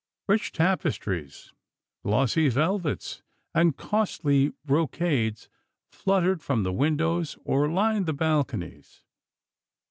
Rich tapestries, glossy velvets, and costly brocades fluttered from the windows or lined the balconies.